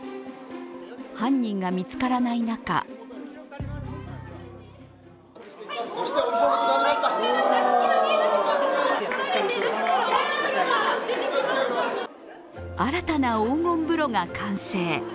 犯人が見つからない中新たな黄金風呂が完成。